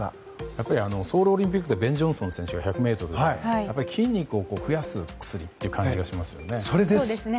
やっぱりソウルオリンピックでベン・ジョンソン選手が１００ｍで筋肉を増やす薬という感じがしますよね。